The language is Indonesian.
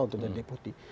untuk jadi deputi